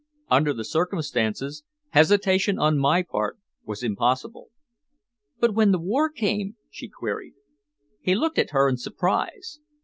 Under the circumstances, hesitation on my part was impossible." "But when the war came?" she queried. He looked at her in surprise.